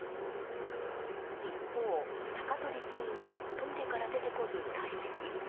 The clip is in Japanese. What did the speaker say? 一方、高鳥議員はトイレから出てこず、退席。